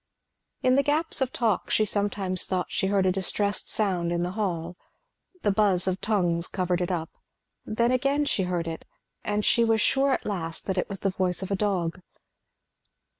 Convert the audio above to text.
In the gaps of talk she sometimes thought she heard a distressed sound in the hall. The buzz of tongues covered it up, then again she heard it, and she was sure at last that it was the voice of a dog.